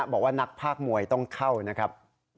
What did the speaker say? บอกว่านักภาคมวยต้องเข้านะครับ